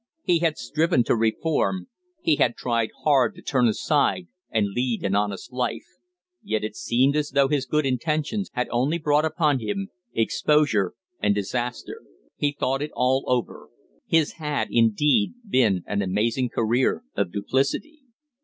He had striven to reform, he had tried hard to turn aside and lead an honest life, yet it seemed as though his good intentions had only brought upon him exposure and disaster. He thought it all over. His had, indeed, been an amazing career of duplicity.